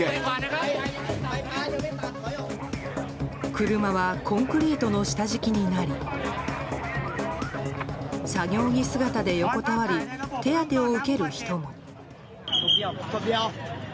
車はコンクリートの下敷きになり作業着姿で横たわり手当てを受ける人も。